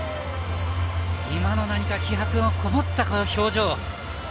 今の何か気迫のこもった表情。